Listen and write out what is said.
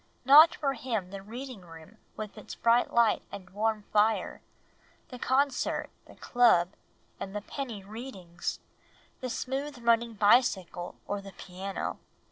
Not for him the reading room with its bright light and warm fire, the concert, the club, and the penny readings, the smooth running bicycle or the piano.